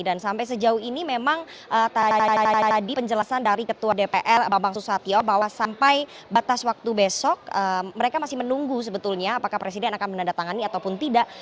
dan sampai sejauh ini memang tadi penjelasan dari ketua dpr bapak sosatyo bahwa sampai batas waktu besok mereka masih menunggu sebetulnya apakah presiden akan menandatangani ataupun tidak